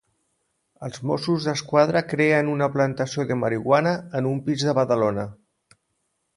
Els Mossos d'Esquadra creen una plantació de marihuana en un pis de Badalona.